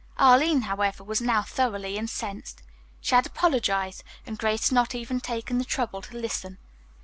Arline, however, was now thoroughly incensed. She had apologized, and Grace had not even taken the trouble to listen.